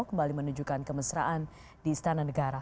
kembali menunjukkan kemesraan di istana negara